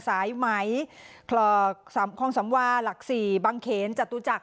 สายไหมของสามวาห์หลักศรีบางเขจัตุจักร